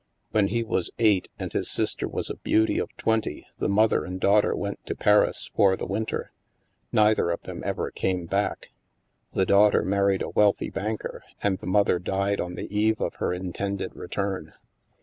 When he was eight and his sister was a beauty of twenty, the mother and daughter went to Paris for the win ter. Neither of them ever came back. The daugh ter married a wealthy banker, and the mother died on the eve of her intended return.